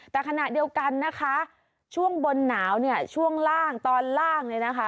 แต่ขณะเดียวกันนะคะช่วงบนหนาวเนี่ยช่วงล่างตอนล่างเนี่ยนะคะ